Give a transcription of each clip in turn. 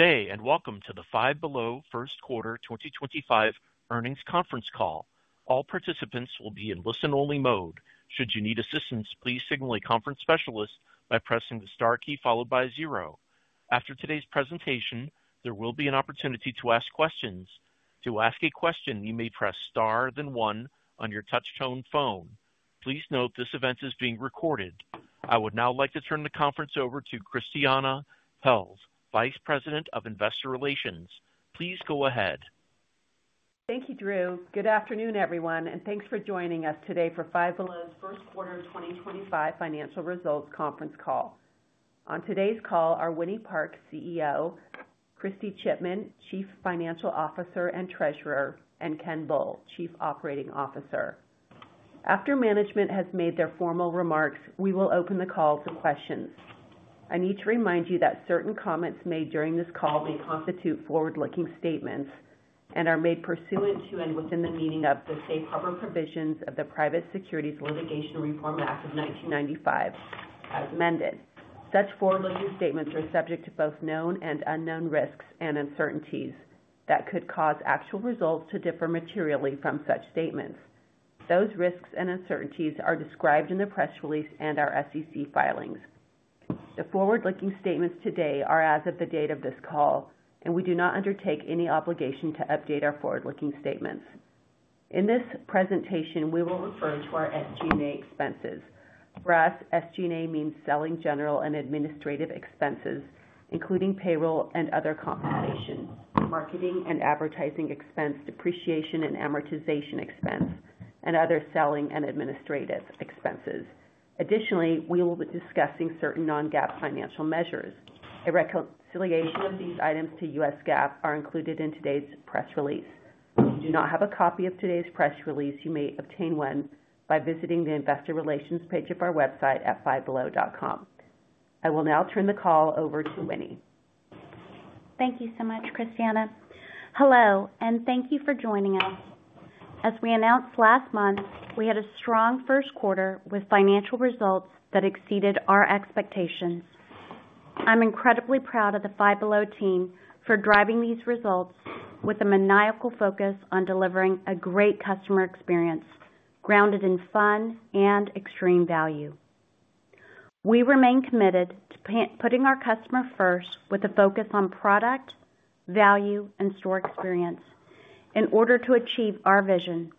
Good day and welcome to the Five Below First Quarter 2025 earnings conference call. All participants will be in listen-only mode. Should you need assistance, please signal a conference specialist by pressing the star key followed by zero. After today's presentation, there will be an opportunity to ask questions. To ask a question, you may press star then one on your touch-tone phone. Please note this event is being recorded. I would now like to turn the conference over to Christiane Pelz, Vice President of Investor Relations. Please go ahead. Thank you, Drew. Good afternoon, everyone, and thanks for joining us today for Five Below's First Quarter 2025 financial results conference call. On today's call are Winnie Park, CEO; Christi Chipman, Chief Financial Officer and Treasurer; and Ken Bull, Chief Operating Officer. After management has made their formal remarks, we will open the call to questions. I need to remind you that certain comments made during this call may constitute forward-looking statements and are made pursuant to and within the meaning of the safe harbor provisions of the Private Securities Litigation Reform Act of 1995, as amended. Such forward-looking statements are subject to both known and unknown risks and uncertainties that could cause actual results to differ materially from such statements. Those risks and uncertainties are described in the press release and our SEC filings. The forward-looking statements today are as of the date of this call, and we do not undertake any obligation to update our forward-looking statements. In this presentation, we will refer to our SG&A expenses. For us, SG&A means selling, general and administrative expenses, including payroll and other compensation, marketing and advertising expense, depreciation and amortization expense, and other selling and administrative expenses. Additionally, we will be discussing certain non-GAAP financial measures. A reconciliation of these items to U.S. GAAP is included in today's press release. If you do not have a copy of today's press release, you may obtain one by visiting the investor relations page of our website at fivebelow.com. I will now turn the call over to Winnie. Thank you so much, Christiane. Hello, and thank you for joining us. As we announced last month, we had a strong first quarter with financial results that exceeded our expectations. I'm incredibly proud of the Five Below team for driving these results with a maniacal focus on delivering a great customer experience grounded in fun and extreme value. We remain committed to putting our customer first with a focus on product, value, and store experience in order to achieve our vision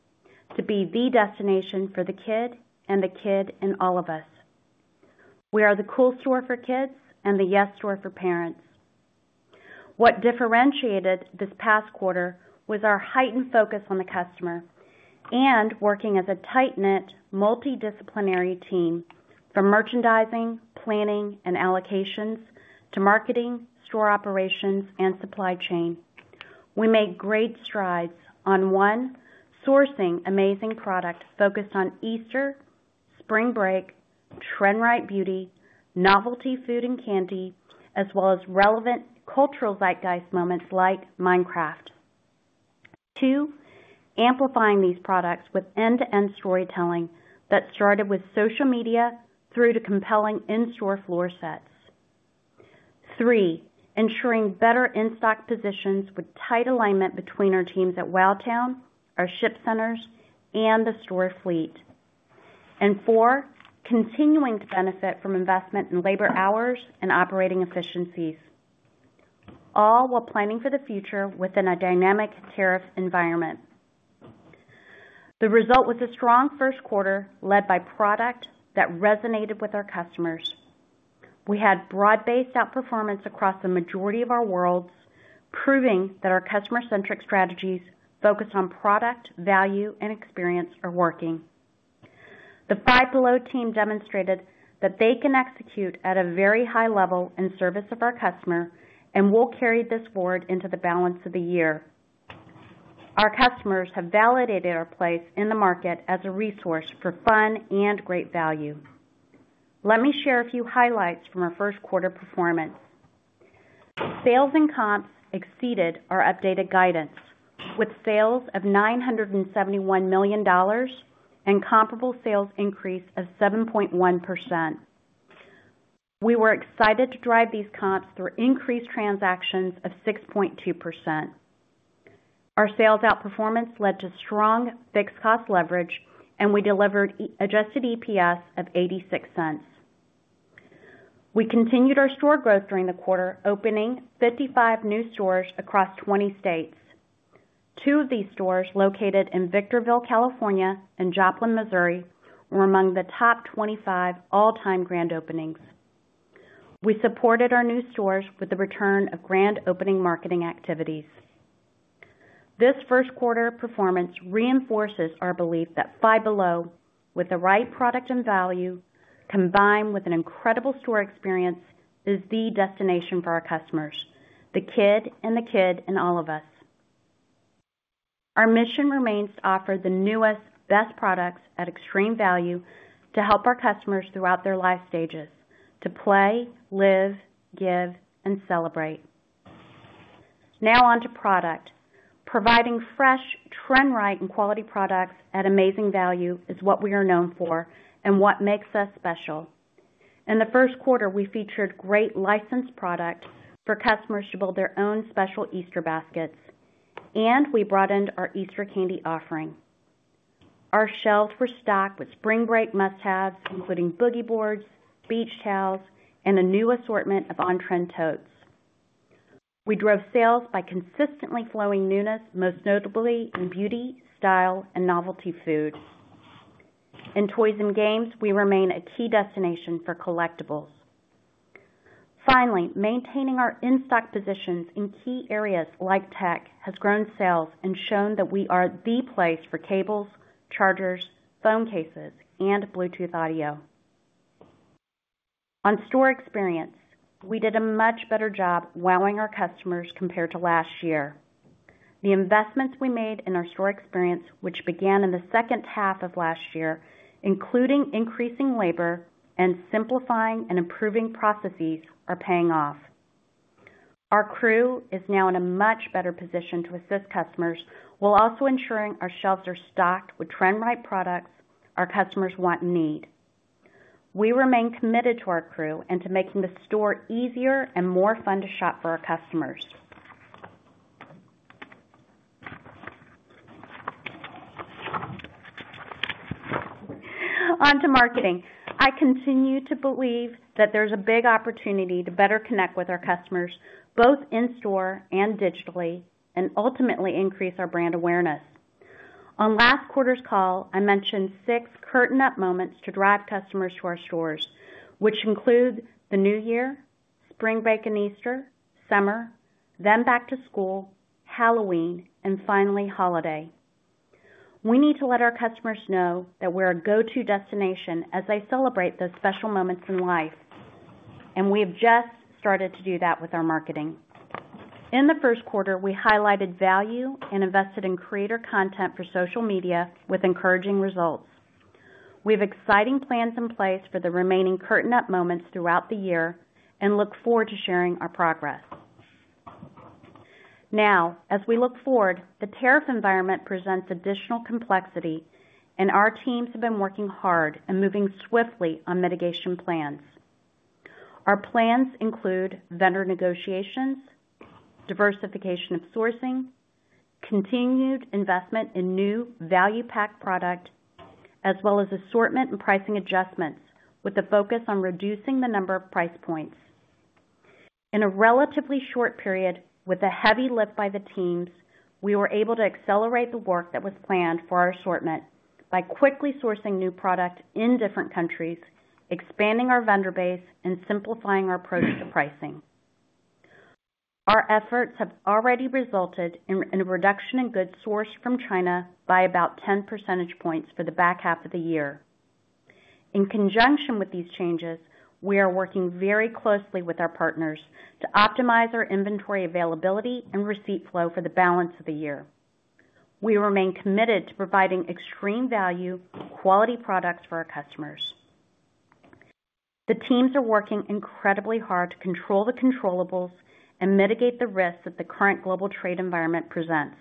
to be the destination for the kid and the kid in all of us. We are the cool store for kids and the yes store for parents. What differentiated this past quarter was our heightened focus on the customer and working as a tight-knit, multidisciplinary team from merchandising, planning, and allocations to marketing, store operations, and supply chain. We made great strides on, one, sourcing amazing product focused on Easter, spring break, trend-right beauty, novelty food and candy, as well as relevant cultural zeitgeist moments like Minecraft. Two, amplifying these products with end-to-end storytelling that started with social media through to compelling in-store floor sets. Three, ensuring better in-stock positions with tight alignment between our teams at WowTown, our ship centers, and the store fleet. Four, continuing to benefit from investment in labor hours and operating efficiencies, all while planning for the future within a dynamic tariff environment. The result was a strong first quarter led by product that resonated with our customers. We had broad-based outperformance across the majority of our worlds, proving that our customer-centric strategies focused on product, value, and experience are working. The Five Below team demonstrated that they can execute at a very high level in service of our customer and will carry this forward into the balance of the year. Our customers have validated our place in the market as a resource for fun and great value. Let me share a few highlights from our first quarter performance. Sales and comps exceeded our updated guidance, with sales of $971 million and comparable sales increase of 7.1%. We were excited to drive these comps through increased transactions of 6.2%. Our sales outperformance led to strong fixed cost leverage, and we delivered adjusted EPS of $0.86. We continued our store growth during the quarter, opening 55 new stores across 20 states. Two of these stores, located in Victorville, California, and Joplin, Missouri, were among the top 25 all-time grand openings. We supported our new stores with the return of grand opening marketing activities. This first quarter performance reinforces our belief that Five Below, with the right product and value, combined with an incredible store experience, is the destination for our customers, the kid in all of us. Our mission remains to offer the newest, best products at extreme value to help our customers throughout their life stages: to play, live, give, and celebrate. Now on to product. Providing fresh, trend-right, and quality products at amazing value is what we are known for and what makes us special. In the first quarter, we featured great licensed product for customers to build their own special Easter baskets, and we brought in our Easter candy offering. Our shelves were stocked with spring break must-haves, including boogie boards, beach towels, and a new assortment of on-trend totes. We drove sales by consistently flowing newness, most notably in beauty, style, and novelty food. In toys and games, we remain a key destination for collectibles. Finally, maintaining our in-stock positions in key areas like tech has grown sales and shown that we are the place for cables, chargers, phone cases, and Bluetooth audio. On store experience, we did a much better job wowing our customers compared to last year. The investments we made in our store experience, which began in the second half of last year, including increasing labor and simplifying and improving processes, are paying off. Our crew is now in a much better position to assist customers while also ensuring our shelves are stocked with trend-right products our customers want and need. We remain committed to our crew and to making the store easier and more fun to shop for our customers. On to marketing. I continue to believe that there's a big opportunity to better connect with our customers, both in store and digitally, and ultimately increase our brand awareness. On last quarter's call, I mentioned six curtain-up moments to drive customers to our stores, which include the New Year, spring break and Easter, summer, then back to school, Halloween, and finally holiday. We need to let our customers know that we're a go-to destination as they celebrate those special moments in life, and we have just started to do that with our marketing. In the first quarter, we highlighted value and invested in creator content for social media with encouraging results. We have exciting plans in place for the remaining curtain-up moments throughout the year and look forward to sharing our progress. Now, as we look forward, the tariff environment presents additional complexity, and our teams have been working hard and moving swiftly on mitigation plans. Our plans include vendor negotiations, diversification of sourcing, continued investment in new value-packed product, as well as assortment and pricing adjustments with a focus on reducing the number of price points. In a relatively short period, with a heavy lift by the teams, we were able to accelerate the work that was planned for our assortment by quickly sourcing new product in different countries, expanding our vendor base, and simplifying our approach to pricing. Our efforts have already resulted in a reduction in goods sourced from China by about 10 percentage points for the back half of the year. In conjunction with these changes, we are working very closely with our partners to optimize our inventory availability and receipt flow for the balance of the year. We remain committed to providing extreme value, quality products for our customers. The teams are working incredibly hard to control the controllables, and mitigate the risks that the current global trade environment presents.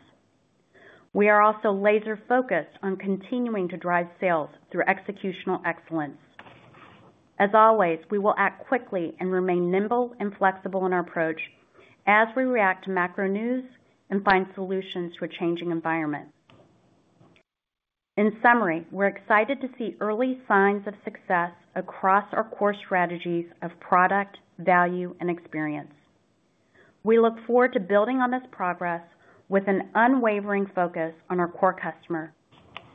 We are also laser-focused on continuing to drive sales through executional excellence. As always, we will act quickly and remain nimble and flexible in our approach as we react to macro news and find solutions to a changing environment. In summary, we're excited to see early signs of success across our core strategies of product, value, and experience. We look forward to building on this progress with an unwavering focus on our core customer,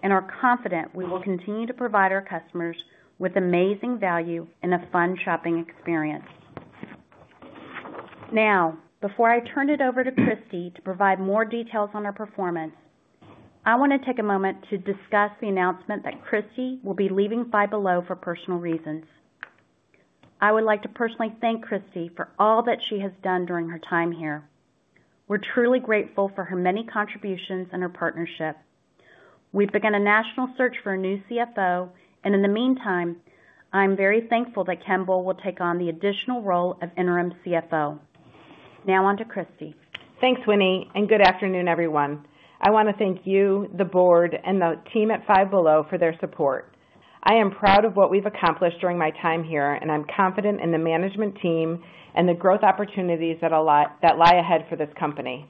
and are confident we will continue to provide our customers with amazing value and a fun shopping experience. Now, before I turn it over to Kristy to provide more details on our performance, I want to take a moment to discuss the announcement that Kristy will be leaving Five Below for personal reasons. I would like to personally thank Kristy for all that she has done during her time here. We're truly grateful for her many contributions and her partnership. We've begun a national search for a new CFO, and in the meantime, I'm very thankful that Ken Bull will take on the additional role of interim CFO. Now on to Kristy. Thanks, Winnie, and good afternoon, everyone. I want to thank you, the board, and the team at Five Below for their support. I am proud of what we've accomplished during my time here, and I'm confident in the management team and the growth opportunities that lie ahead for this company.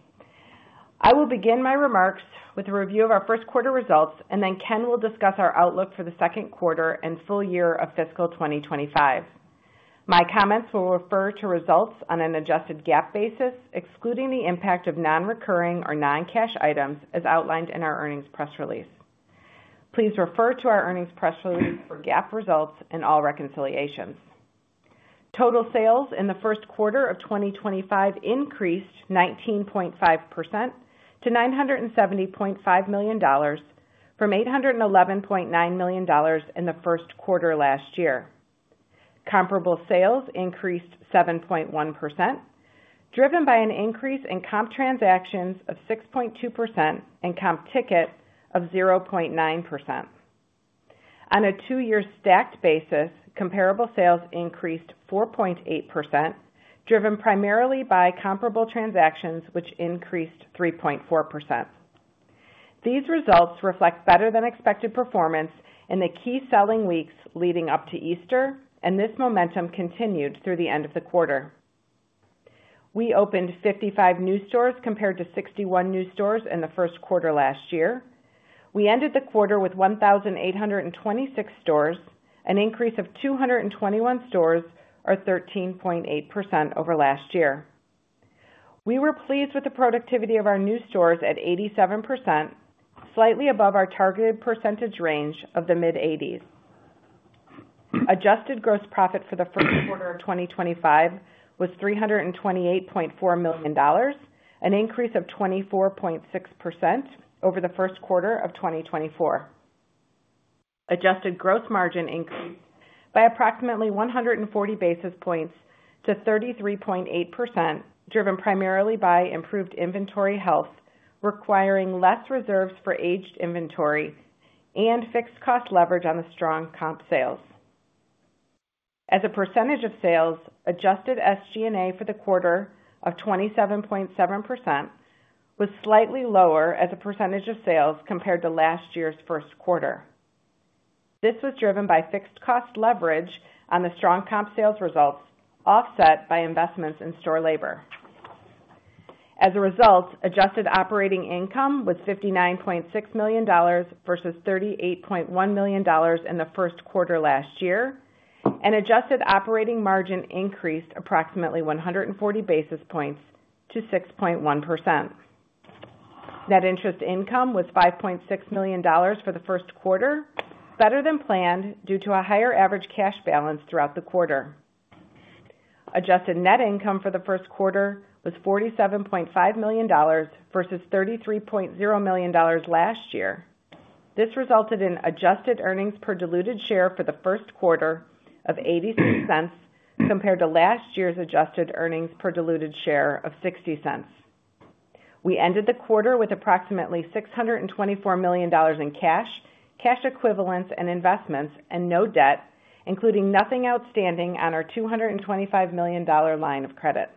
I will begin my remarks with a review of our first quarter results, and then Ken will discuss our outlook for the second quarter and full year of fiscal 2025. My comments will refer to results on an adjusted GAAP basis, excluding the impact of non-recurring or non-cash items as outlined in our earnings press release. Please refer to our earnings press release for GAAP results and all reconciliations. Total sales in the first quarter of 2025 increased 19.5% to $970.5 million from $811.9 million in the first quarter last year. Comparable sales increased 7.1%, driven by an increase in comp transactions of 6.2% and comp ticket of 0.9%. On a two-year stacked basis, comparable sales increased 4.8%, driven primarily by comparable transactions, which increased 3.4%. These results reflect better-than-expected performance in the key selling weeks leading up to Easter, and this momentum continued through the end of the quarter. We opened 55 new stores compared to 61 new stores in the first quarter last year. We ended the quarter with 1,826 stores, an increase of 221 stores or 13.8% over last year. We were pleased with the productivity of our new stores at 87%, slightly above our targeted percentage range of the mid-80s. Adjusted gross profit for the first quarter of 2025 was $328.4 million, an increase of 24.6% over the first quarter of 2024. Adjusted gross margin increased by approximately 140 basis points to 33.8%, driven primarily by improved inventory health, requiring less reserves for aged inventory, and fixed cost leverage on the strong comp sales. As a percentage of sales, adjusted SG&A for the quarter of 27.7% was slightly lower as a percentage of sales compared to last year's first quarter. This was driven by fixed cost leverage on the strong comp sales results, offset by investments in store labor. As a result, adjusted operating income was $59.6 million versus $38.1 million in the first quarter last year, and adjusted operating margin increased approximately 140 basis points to 6.1%. Net interest income was $5.6 million for the first quarter, better than planned due to a higher average cash balance throughout the quarter. Adjusted net income for the first quarter was $47.5 million versus $33.0 million last year. This resulted in adjusted earnings per diluted share for the first quarter of $0.86 compared to last year's adjusted earnings per diluted share of $0.60. We ended the quarter with approximately $624 million in cash, cash equivalents, and investments, and no debt, including nothing outstanding on our $225 million line of credit.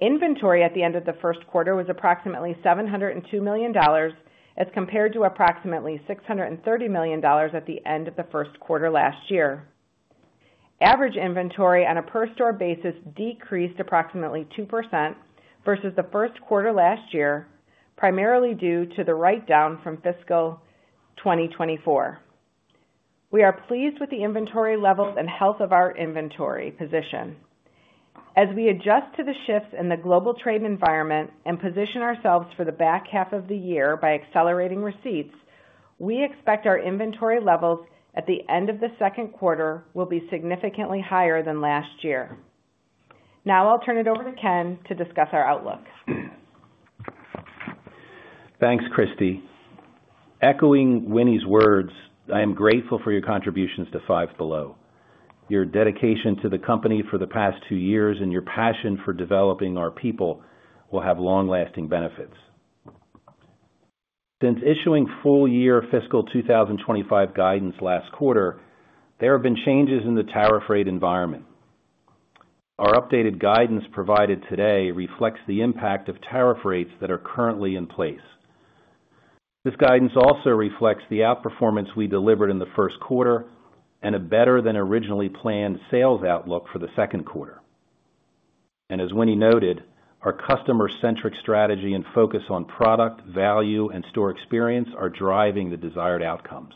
Inventory at the end of the first quarter was approximately $702 million as compared to approximately $630 million at the end of the first quarter last year. Average inventory on a per-store basis decreased approximately 2% versus the first quarter last year, primarily due to the write-down from fiscal 2024. We are pleased with the inventory levels and health of our inventory position. As we adjust to the shifts in the global trade environment and position ourselves for the back half of the year by accelerating receipts, we expect our inventory levels at the end of the second quarter will be significantly higher than last year. Now I'll turn it over to Ken to discuss our outlook. Thanks, Kristy. Echoing Winnie's words, I am grateful for your contributions to Five Below. Your dedication to the company for the past two years and your passion for developing our people will have long-lasting benefits. Since issuing full year fiscal 2025 guidance last quarter, there have been changes in the tariff rate environment. Our updated guidance provided today reflects the impact of tariff rates that are currently in place. This guidance also reflects the outperformance we delivered in the first quarter and a better-than-originally-planned sales outlook for the second quarter. As Winnie noted, our customer-centric strategy and focus on product, value, and store experience are driving the desired outcomes.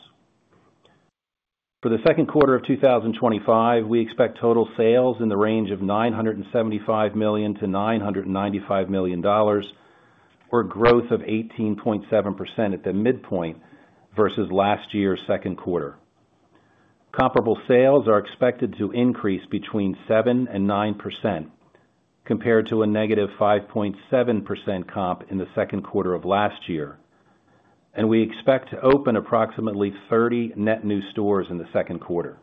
For the second quarter of 2025, we expect total sales in the range of $975 million-$995 million, or growth of 18.7% at the midpoint versus last year's second quarter. Comparable sales are expected to increase between 7% and 9% compared to a -5.7% comp in the second quarter of last year, and we expect to open approximately 30 net new stores in the second quarter.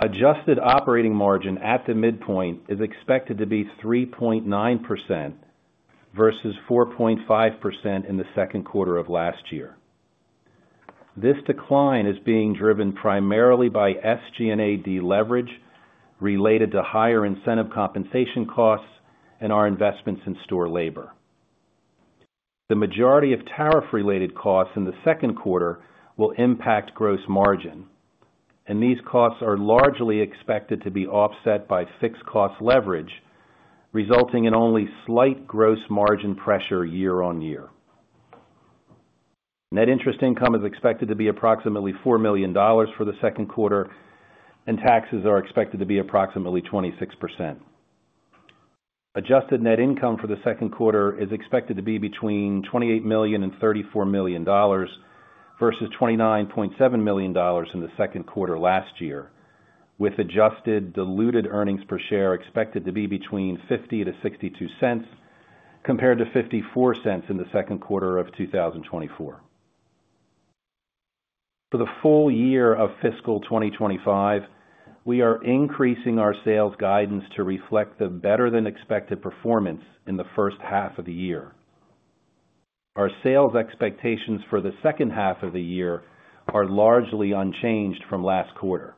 Adjusted operating margin at the midpoint is expected to be 3.9% versus 4.5% in the second quarter of last year. This decline is being driven primarily by SG&A deleverage related to higher incentive compensation costs and our investments in store labor. The majority of tariff-related costs in the second quarter will impact gross margin, and these costs are largely expected to be offset by fixed cost leverage, resulting in only slight gross margin pressure year on year. Net interest income is expected to be approximately $4 million for the second quarter, and taxes are expected to be approximately 26%. Adjusted net income for the second quarter is expected to be between $28 million and $34 million versus $29.7 million in the second quarter last year, with adjusted diluted earnings per share expected to be between $0.50-$0.62 compared to $0.54 in the second quarter of 2024. For the full year of fiscal 2025, we are increasing our sales guidance to reflect the better-than-expected performance in the first half of the year. Our sales expectations for the second half of the year are largely unchanged from last quarter.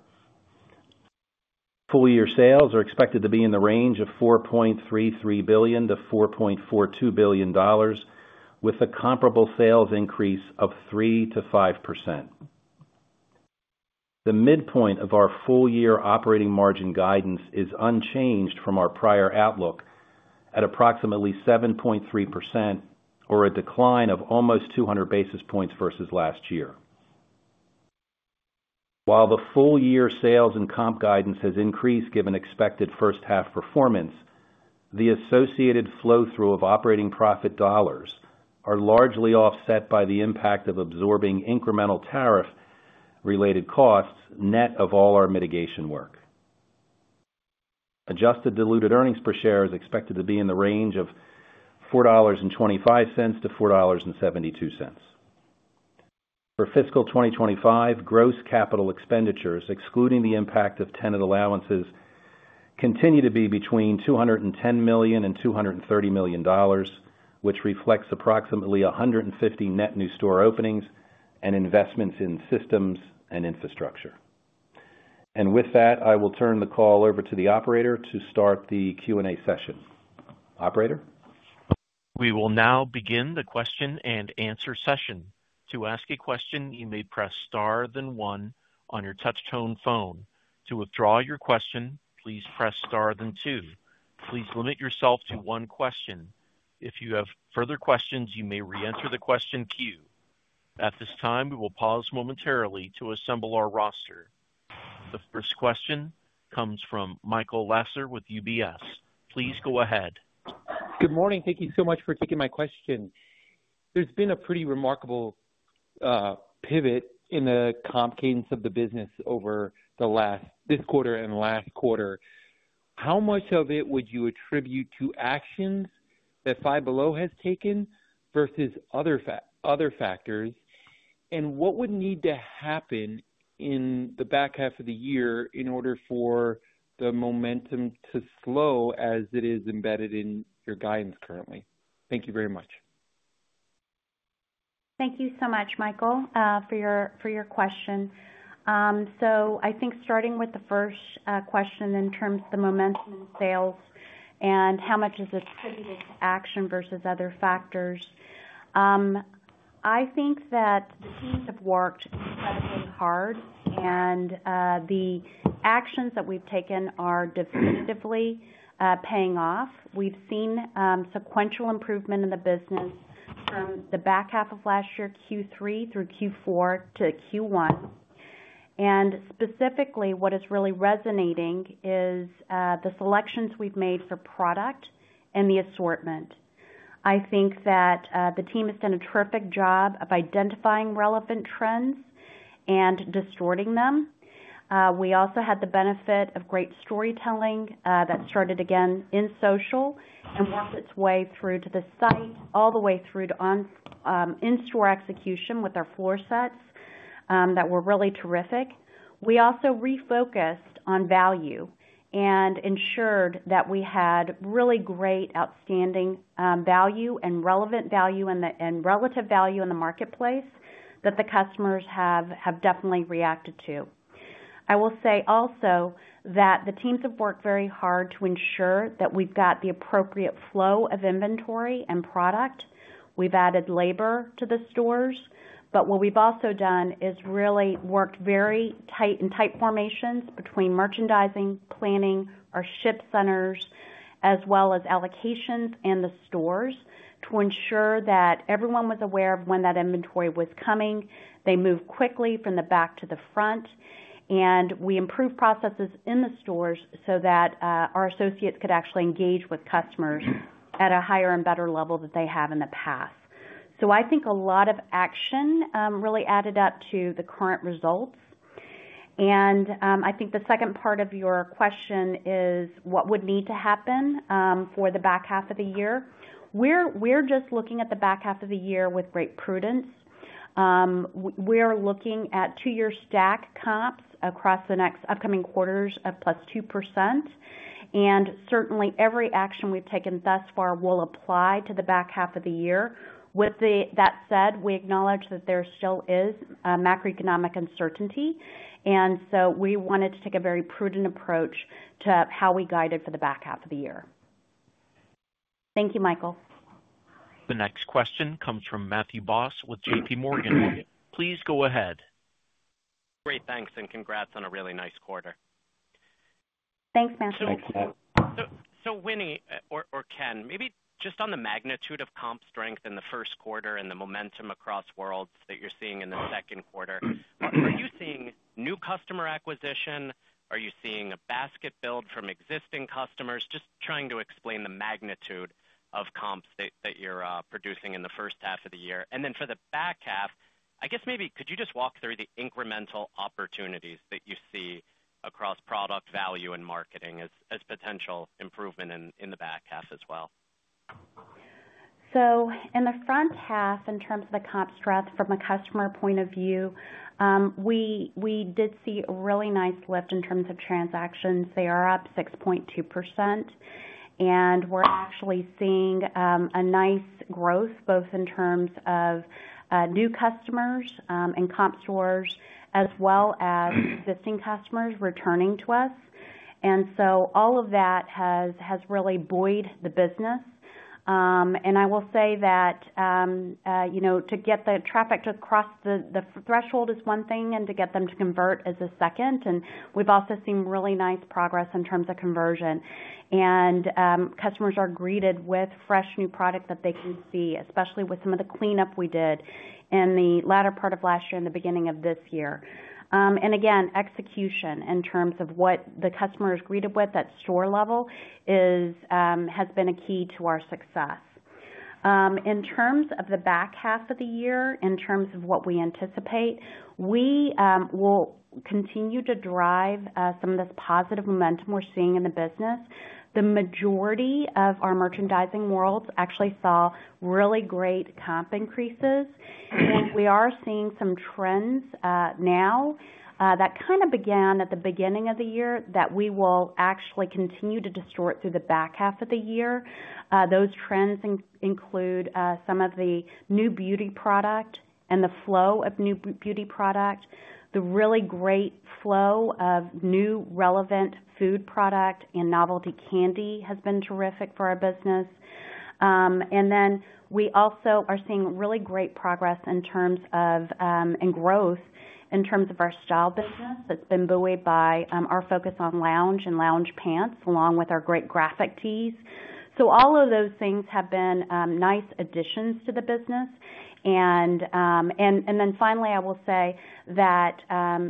Full year sales are expected to be in the range of $4.33 billion-$4.42 billion, with a comparable sales increase of 3%-5%. The midpoint of our full year operating margin guidance is unchanged from our prior outlook at approximately 7.3%, or a decline of almost 200 basis points versus last year. While the full year sales and comp guidance has increased given expected first-half performance, the associated flow-through of operating profit dollars are largely offset by the impact of absorbing incremental tariff-related costs net of all our mitigation work. Adjusted diluted earnings per share is expected to be in the range of $4.25-$4.72. For fiscal 2025, gross capital expenditures, excluding the impact of tenant allowances, continue to be between $210 million and $230 million, which reflects approximately 150 net new store openings and investments in systems and infrastructure. With that, I will turn the call over to the operator to start the Q&A session. Operator. We will now begin the question and answer session. To ask a question, you may press star then one on your touch-tone phone. To withdraw your question, please press star then two. Please limit yourself to one question. If you have further questions, you may re-enter the question queue. At this time, we will pause momentarily to assemble our roster. The first question comes from Michael Lasser with UBS. Please go ahead. Good morning. Thank you so much for taking my question. There's been a pretty remarkable pivot in the comp cadence of the business over this quarter and last quarter. How much of it would you attribute to actions that Five Below has taken versus other factors, and what would need to happen in the back half of the year in order for the momentum to slow as it is embedded in your guidance currently? Thank you very much. Thank you so much, Michael, for your question. I think starting with the first question in terms of the momentum in sales and how much is attributed to action versus other factors, I think that the teams have worked incredibly hard, and the actions that we've taken are definitively paying off. We've seen sequential improvement in the business from the back half of last year, Q3 through Q4 to Q1. Specifically, what is really resonating is the selections we've made for product and the assortment. I think that the team has done a terrific job of identifying relevant trends and distorting them. We also had the benefit of great storytelling that started again in social and worked its way through to the site, all the way through to in-store execution with our floor sets that were really terrific. We also refocused on value and ensured that we had really great outstanding value and relevant value and relative value in the marketplace that the customers have definitely reacted to. I will say also that the teams have worked very hard to ensure that we've got the appropriate flow of inventory and product. We've added labor to the stores, but what we've also done is really worked very tight in tight formations between merchandising, planning, our ship centers, as well as allocations and the stores to ensure that everyone was aware of when that inventory was coming. They moved quickly from the back to the front, and we improved processes in the stores so that our associates could actually engage with customers at a higher and better level than they have in the past. I think a lot of action really added up to the current results. I think the second part of your question is what would need to happen for the back half of the year. We are just looking at the back half of the year with great prudence. We are looking at two-year stack comps across the next upcoming quarters of +2%. Certainly, every action we have taken thus far will apply to the back half of the year. With that said, we acknowledge that there still is macroeconomic uncertainty, and we wanted to take a very prudent approach to how we guided for the back half of the year. Thank you, Michael. The next question comes from Matthew Boss with JPMorgan. Please go ahead. Great. Thanks. Congrats on a really nice quarter. Thanks, Matthew. Winnie or Ken, maybe just on the magnitude of comp strength in the first quarter and the momentum across worlds that you're seeing in the second quarter, are you seeing new customer acquisition? Are you seeing a basket build from existing customers? Just trying to explain the magnitude of comps that you're producing in the first half of the year. For the back half, I guess maybe could you just walk through the incremental opportunities that you see across product value and marketing as potential improvement in the back half as well? In the front half, in terms of the comp strength from a customer point of view, we did see a really nice lift in terms of transactions. They are up 6.2%, and we're actually seeing a nice growth both in terms of new customers and comp stores as well as existing customers returning to us. All of that has really buoyed the business. I will say that to get the traffic to cross the threshold is one thing, and to get them to convert is a second. We've also seen really nice progress in terms of conversion. Customers are greeted with fresh new product that they can see, especially with some of the cleanup we did in the latter part of last year and the beginning of this year. Execution in terms of what the customer is greeted with at store level has been a key to our success. In terms of the back half of the year, in terms of what we anticipate, we will continue to drive some of this positive momentum we're seeing in the business. The majority of our merchandising worlds actually saw really great comp increases, and we are seeing some trends now that kind of began at the beginning of the year that we will actually continue to distort through the back half of the year. Those trends include some of the new beauty product and the flow of new beauty product. The really great flow of new relevant food product and novelty candy has been terrific for our business. We also are seeing really great progress in terms of and growth in terms of our style business that has been buoyed by our focus on lounge and lounge pants along with our great graphic tees. All of those things have been nice additions to the business. Finally, I will say that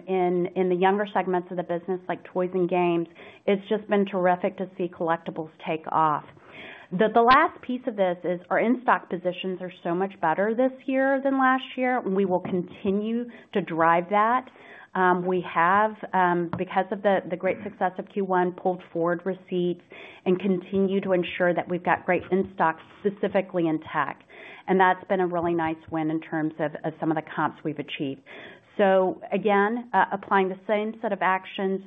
in the younger segments of the business, like toys and games, it has just been terrific to see collectibles take off. The last piece of this is our in-stock positions are so much better this year than last year, and we will continue to drive that. We have, because of the great success of Q1, pulled forward receipts and continue to ensure that we have great in-stock specifically in tech. That has been a really nice win in terms of some of the comps we have achieved. Again, applying the same set of actions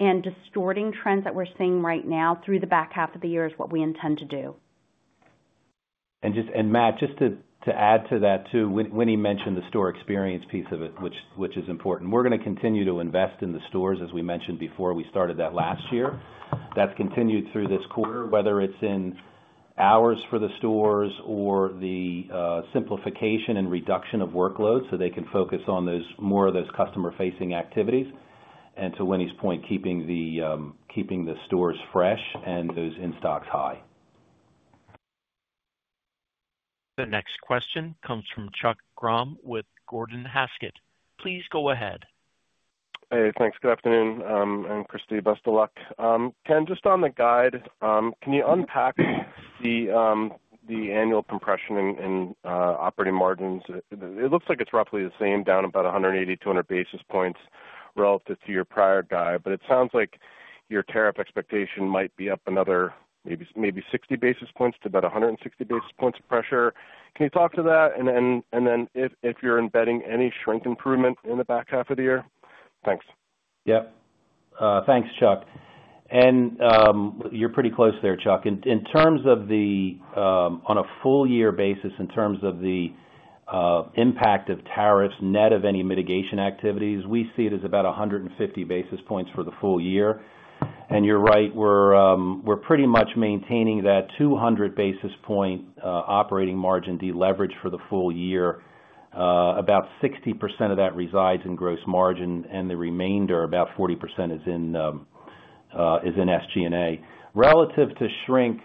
and distorting trends that we're seeing right now through the back half of the year is what we intend to do. Matt, just to add to that too, Winnie mentioned the store experience piece of it, which is important. We are going to continue to invest in the stores, as we mentioned before we started that last year. That has continued through this quarter, whether it is in hours for the stores or the simplification and reduction of workload so they can focus on more of those customer-facing activities. To Winnie's point, keeping the stores fresh and those in-stocks high. The next question comes from Chuck Grom with Gordon Haskett. Please go ahead. Hey, thanks. Good afternoon. Kristy, best of lucks. Ken, just on the guide, can you unpack the annual compression and operating margins? It looks like it's roughly the same, down about 180-200 basis points relative to your prior guide, but it sounds like your tariff expectation might be up another maybe 60 basis points to about 160 basis points of pressure. Can you talk to that? And then if you're embedding any shrink improvement in the back half of the year? Thanks. Yep. Thanks, Chuck. You're pretty close there, Chuck. In terms of the on a full year basis, in terms of the impact of tariffs net of any mitigation activities, we see it as about 150 basis points for the full year. You're right, we're pretty much maintaining that 200 basis point operating margin deleverage for the full year. About 60% of that resides in gross margin, and the remainder, about 40%, is in SG&A. Relative to shrink,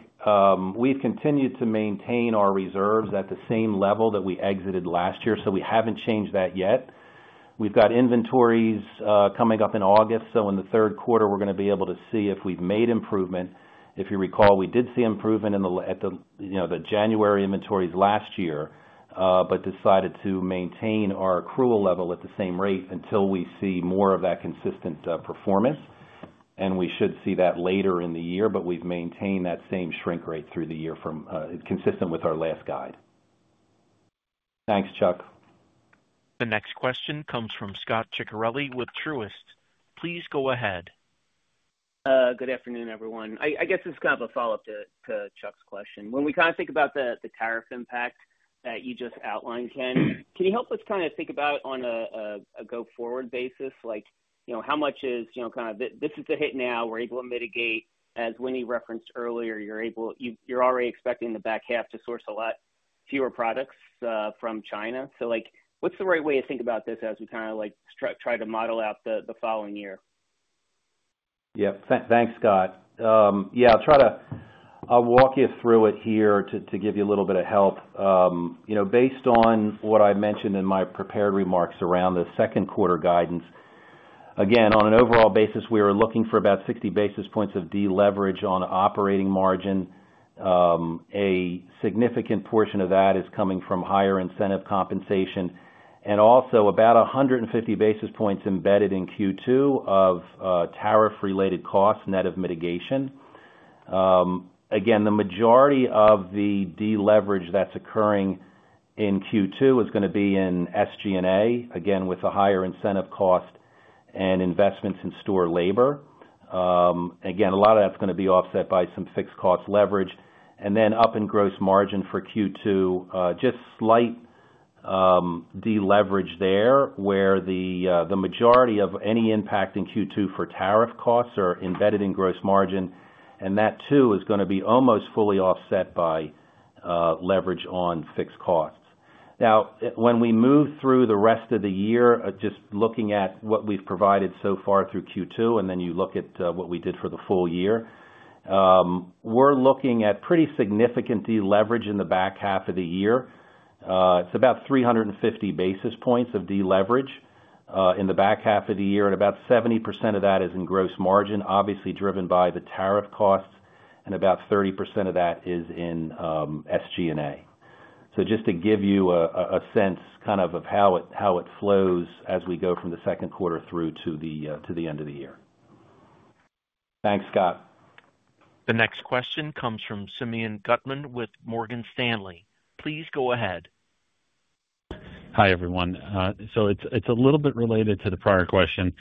we've continued to maintain our reserves at the same level that we exited last year, so we haven't changed that yet. We've got inventories coming up in August, so in the third quarter, we're going to be able to see if we've made improvement. If you recall, we did see improvement in the January inventories last year, but decided to maintain our accrual level at the same rate until we see more of that consistent performance. We should see that later in the year, but we have maintained that same shrink rate through the year consistent with our last guide. Thanks, Chuck. The next question comes from Scot Ciccarelli with Truist. Please go ahead. Good afternoon, everyone. I guess it's kind of a follow-up to Chuck's question. When we kind of think about the tariff impact that you just outlined, Ken, can you help us kind of think about it on a go-forward basis? How much is kind of this is the hit now. We're able to mitigate. As Winnie referenced earlier, you're already expecting the back half to source a lot fewer products from China. What's the right way to think about this as we kind of try to model out the following year? Yep. Thanks, Scot. Yeah, I'll walk you through it here to give you a little bit of help. Based on what I mentioned in my prepared remarks around the second quarter guidance, again, on an overall basis, we were looking for about 60 basis points of deleverage on operating margin. A significant portion of that is coming from higher incentive compensation. And also about 150 basis points embedded in Q2 of tariff-related costs net of mitigation. Again, the majority of the deleverage that's occurring in Q2 is going to be in SG&A, again, with a higher incentive cost and investments in store labor. Again, a lot of that's going to be offset by some fixed cost leverage. And then up in gross margin for Q2, just slight deleverage there where the majority of any impact in Q2 for tariff costs are embedded in gross margin. That too is going to be almost fully offset by leverage on fixed costs. Now, when we move through the rest of the year, just looking at what we've provided so far through Q2, and then you look at what we did for the full year, we're looking at pretty significant deleverage in the back half of the year. It's about 350 basis points of deleverage in the back half of the year, and about 70% of that is in gross margin, obviously driven by the tariff costs, and about 30% of that is in SG&A. Just to give you a sense kind of of how it flows as we go from the second quarter through to the end of the year. Thanks, Scot. The next question comes from Simeon Gutman with Morgan Stanley. Please go ahead. Hi everyone. It is a little bit related to the prior question.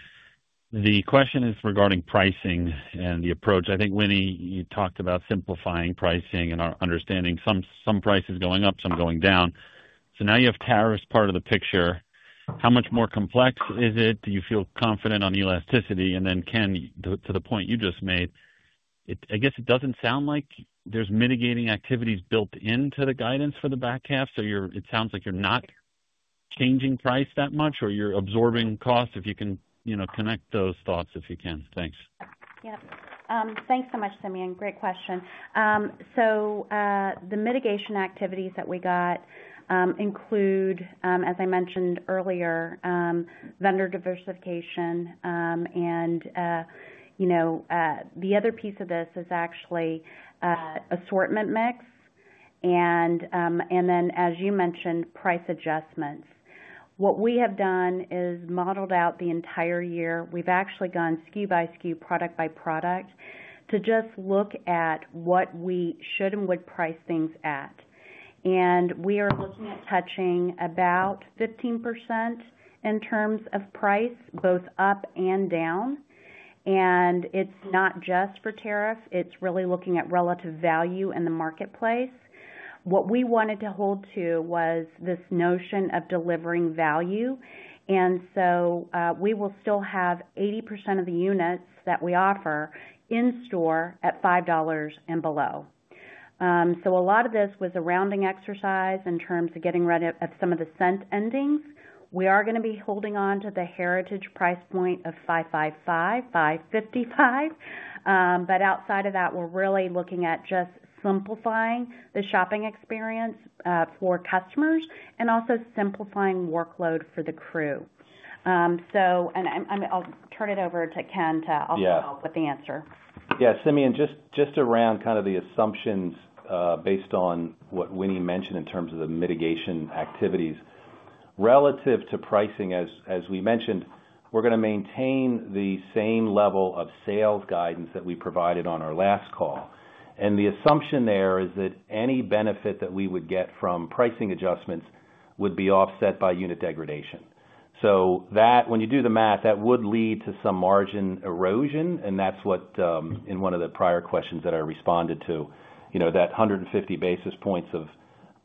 The question is regarding pricing and the approach. I think, Winnie, you talked about simplifying pricing and understanding some prices going up, some going down. Now you have tariffs part of the picture. How much more complex is it? Do you feel confident on elasticity? Then, Ken, to the point you just made, I guess it does not sound like there are mitigating activities built into the guidance for the back half. It sounds like you are not changing price that much or you are absorbing costs if you can connect those thoughts if you can. Thanks. Yep. Thanks so much, Simeon. Great question. The mitigation activities that we got include, as I mentioned earlier, vendor diversification. The other piece of this is actually assortment mix. As you mentioned, price adjustments. What we have done is modeled out the entire year. We have actually gone SKU by SKU, product by product to just look at what we should and would price things at. We are looking at touching about 15% in terms of price, both up and down. It is not just for tariff. It is really looking at relative value in the marketplace. What we wanted to hold to was this notion of delivering value. We will still have 80% of the units that we offer in store at $5 and below. A lot of this was a rounding exercise in terms of getting rid of some of the cent endings. We are going to be holding on to the heritage price point of $5.55, $5.55. Outside of that, we're really looking at just simplifying the shopping experience for customers and also simplifying workload for the crew. I'll turn it over to Ken to also help with the answer. Yeah. Simeon, just around kind of the assumptions based on what Winnie mentioned in terms of the mitigation activities. Relative to pricing, as we mentioned, we're going to maintain the same level of sales guidance that we provided on our last call. The assumption there is that any benefit that we would get from pricing adjustments would be offset by unit degradation. When you do the math, that would lead to some margin erosion. That's what in one of the prior questions that I responded to, that 150 basis points of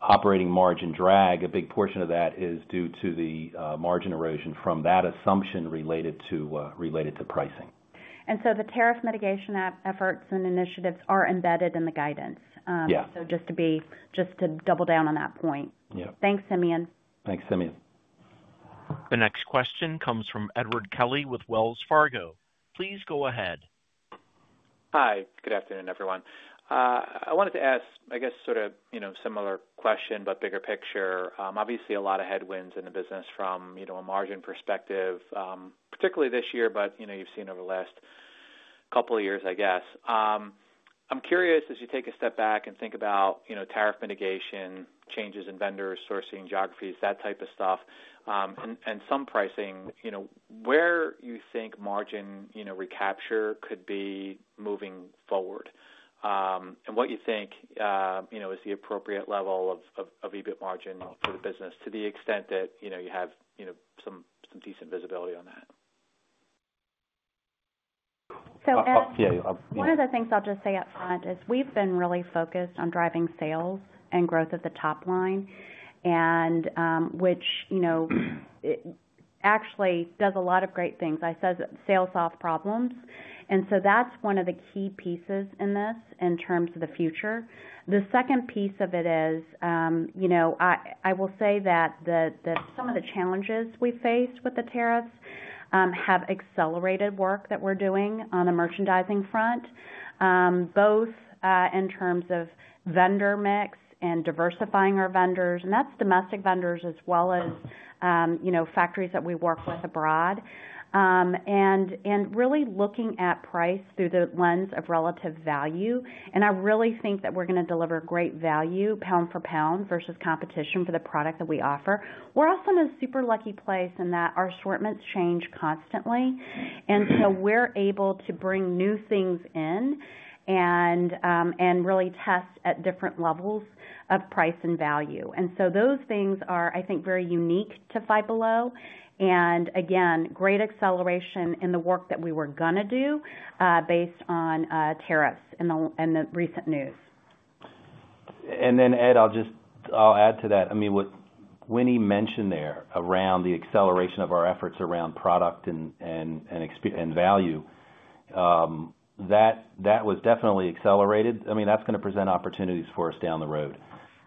operating margin drag, a big portion of that is due to the margin erosion from that assumption related to pricing. The tariff mitigation efforts and initiatives are embedded in the guidance. Just to double down on that point. Thanks, Simeon. Thanks, Simeon. The next question comes from Edward Kelly with Wells Fargo. Please go ahead. Hi. Good afternoon, everyone. I wanted to ask, I guess, sort of similar question, but bigger picture. Obviously, a lot of headwinds in the business from a margin perspective, particularly this year, but you've seen over the last couple of years, I guess. I'm curious, as you take a step back and think about tariff mitigation, changes in vendors, sourcing, geographies, that type of stuff, and some pricing, where you think margin recapture could be moving forward? And what you think is the appropriate level of EBIT margin for the business to the extent that you have some decent visibility on that? One of the things I'll just say upfront is we've been really focused on driving sales and growth of the top line, which actually does a lot of great things. I said sales solve problems. That's one of the key pieces in this in terms of the future. The second piece of it is I will say that some of the challenges we've faced with the tariffs have accelerated work that we're doing on the merchandising front, both in terms of vendor mix and diversifying our vendors. That's domestic vendors as well as factories that we work with abroad. Really looking at price through the lens of relative value. I really think that we're going to deliver great value, pound for pound versus competition for the product that we offer. We're also in a super lucky place in that our assortments change constantly. We are able to bring new things in and really test at different levels of price and value. Those things are, I think, very unique to Five Below. Again, great acceleration in the work that we were going to do based on tariffs and the recent news. Ed, I'll add to that. I mean, what Winnie mentioned there around the acceleration of our efforts around product and value, that was definitely accelerated. I mean, that's going to present opportunities for us down the road.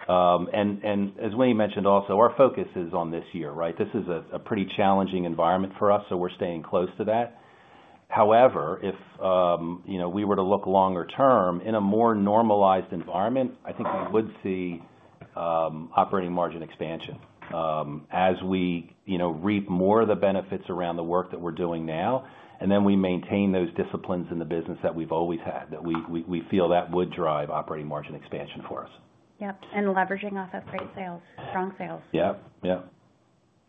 As Winnie mentioned also, our focus is on this year, right? This is a pretty challenging environment for us, so we're staying close to that. However, if we were to look longer term in a more normalized environment, I think we would see operating margin expansion as we reap more of the benefits around the work that we're doing now. We maintain those disciplines in the business that we've always had, that we feel that would drive operating margin expansion for us. Yep. Leveraging off of great sales, strong sales. Yep. Yep.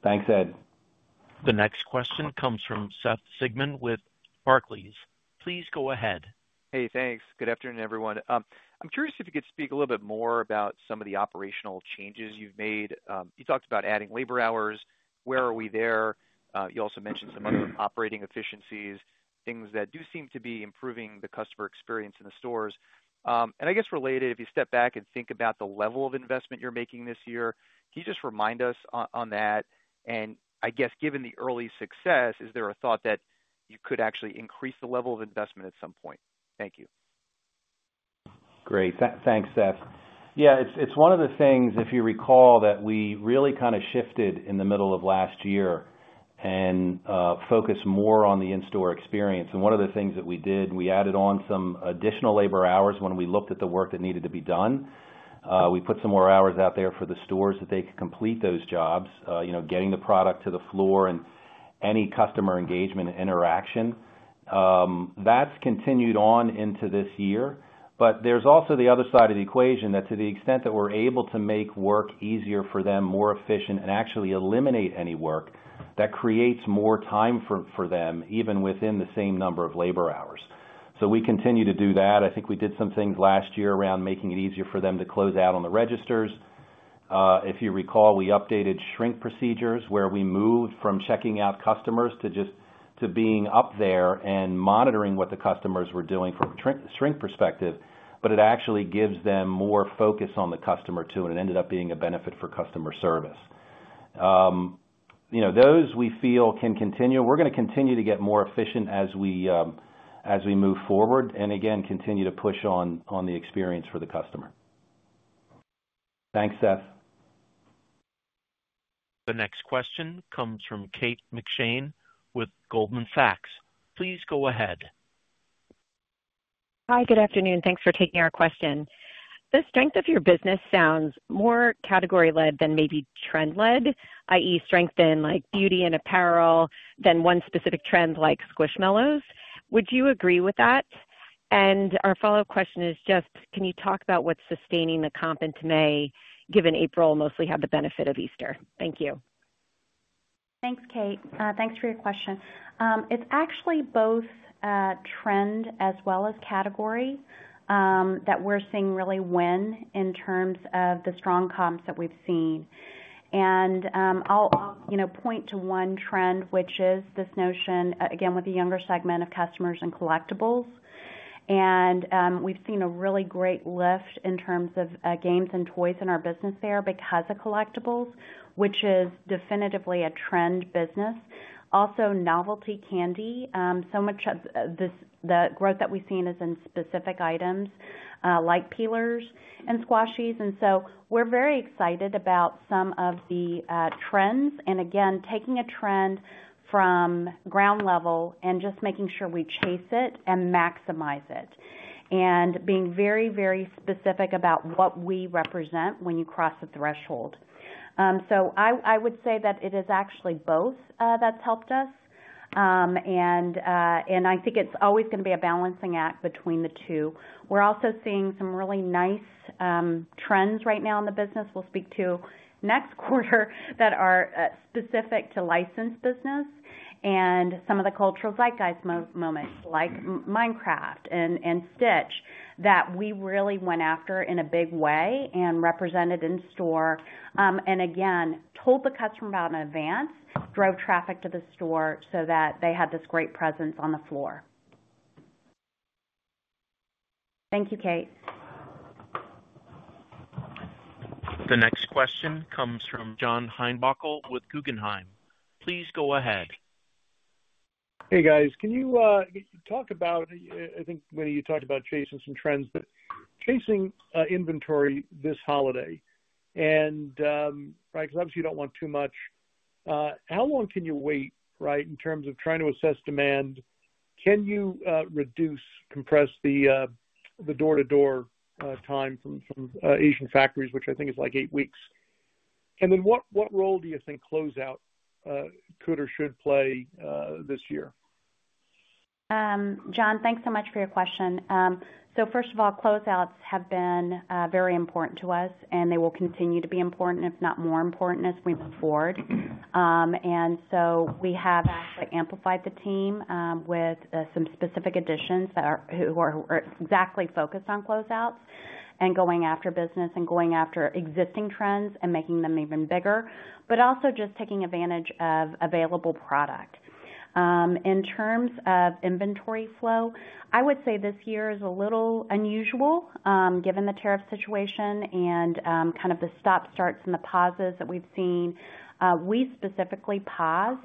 Thanks, Ed. The next question comes from Seth Sigman with Barclays. Please go ahead. Hey, thanks. Good afternoon, everyone. I'm curious if you could speak a little bit more about some of the operational changes you've made. You talked about adding labor hours. Where are we there? You also mentioned some other operating efficiencies, things that do seem to be improving the customer experience in the stores. I guess related, if you step back and think about the level of investment you're making this year, can you just remind us on that? I guess given the early success, is there a thought that you could actually increase the level of investment at some point? Thank you. Great. Thanks, Seth. Yeah, it's one of the things, if you recall, that we really kind of shifted in the middle of last year and focused more on the in-store experience. One of the things that we did, we added on some additional labor hours when we looked at the work that needed to be done. We put some more hours out there for the stores that they could complete those jobs, getting the product to the floor and any customer engagement and interaction. That's continued on into this year. There's also the other side of the equation that to the extent that we're able to make work easier for them, more efficient, and actually eliminate any work, that creates more time for them even within the same number of labor hours. We continue to do that. I think we did some things last year around making it easier for them to close out on the registers. If you recall, we updated shrink procedures where we moved from checking out customers to being up there and monitoring what the customers were doing from a shrink perspective. It actually gives them more focus on the customer too, and it ended up being a benefit for customer service. Those we feel can continue. We are going to continue to get more efficient as we move forward and, again, continue to push on the experience for the customer. Thanks, Seth. The next question comes from Kate McShane with Goldman Sachs. Please go ahead. Hi, good afternoon. Thanks for taking our question. The strength of your business sounds more category-led than maybe trend-led, i.e., strength in beauty and apparel than one specific trend like Squishmallows. Would you agree with that? Our follow-up question is just, can you talk about what's sustaining the comp and tonay, given April mostly had the benefit of Easter? Thank you. Thanks, Kate. Thanks for your question. It's actually both trend as well as category that we're seeing really win in terms of the strong comps that we've seen. I'll point to one trend, which is this notion, again, with the younger segment of customers and collectibles. We've seen a really great lift in terms of games and toys in our business there because of collectibles, which is definitively a trend business. Also, novelty candy. So much of the growth that we've seen is in specific items like peelers and squashies. We're very excited about some of the trends. Again, taking a trend from ground level and just making sure we chase it and maximize it. Being very, very specific about what we represent when you cross the threshold. I would say that it is actually both that's helped us. I think it's always going to be a balancing act between the two. We're also seeing some really nice trends right now in the business. We'll speak to next quarter that are specific to licensed business and some of the cultural zeitgeist moments, like Minecraft and Stitch, that we really went after in a big way and represented in store. Again, told the customer about in advance, drove traffic to the store so that they had this great presence on the floor. Thank you, Kate. The next question comes from John Heinbockel with Guggenheim. Please go ahead. Hey, guys. Can you talk about, I think, Winnie, you talked about chasing some trends, but chasing inventory this holiday. Because obviously you do not want too much, how long can you wait, right, in terms of trying to assess demand? Can you reduce, compress the door-to-door time from Asian factories, which I think is like eight weeks? What role do you think closeout could or should play this year? John, thanks so much for your question. First of all, closeouts have been very important to us, and they will continue to be important, if not more important as we move forward. We have actually amplified the team with some specific additions that are exactly focused on closeouts and going after business and going after existing trends and making them even bigger, but also just taking advantage of available product. In terms of inventory flow, I would say this year is a little unusual given the tariff situation and kind of the stops, starts, and the pauses that we've seen. We specifically paused